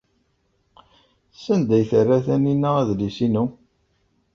Sanda ay terra Taninna adlis-inu?